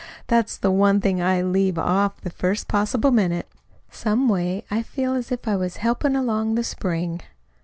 That's the one thing I leave off the first possible minute. Some way, I feel as if I was helpin' along the spring."